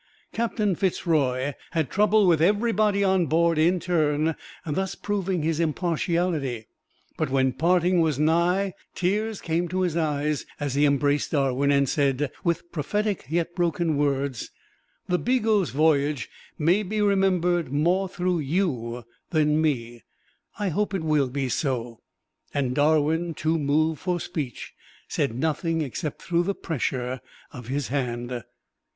Captain Fitz Roy had trouble with everybody on board in turn, thus proving his impartiality; but when parting was nigh, tears came to his eyes as he embraced Darwin, and said, with prophetic yet broken words, "The 'Beagle's' voyage may be remembered more through you than me I hope it will be so!" And Darwin, too moved for speech, said nothing except through the pressure of his hand.